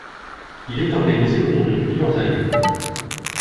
Il est organisé autour de plusieurs allées.